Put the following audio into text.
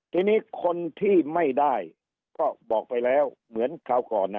ทีนี้คนที่ไม่ได้ก็บอกไปแล้วเหมือนคราวก่อนนะ